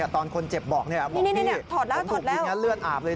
ตอนคนเจ็บบอกว่าผมถูกแบบนี้เลือดอาบเลย